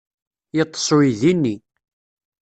Yeṭṭes uydi-ni.